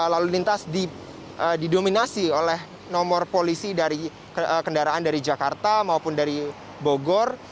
lalu lintas didominasi oleh nomor polisi dari kendaraan dari jakarta maupun dari bogor